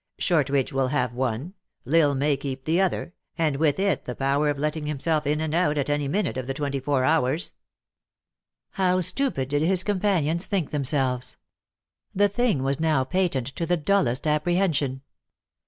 Shortridge will have one. L Isle may keep the other, and with it the power of letting himself in and out at any minute of the twenty four hours." How stupid did his companions think themselves. The thing was now patent to the dullest apprehension.